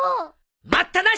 待ったなし！